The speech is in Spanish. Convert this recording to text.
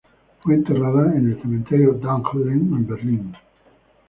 Fue enterrada en el Cementerio Dahlem, en Berlín.